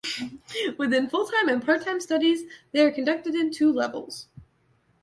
Within full-time and part-time studies, they are conducted in two levels.